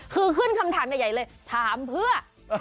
คือขึ้นคำถามใหญ่เลยถามเพื่อ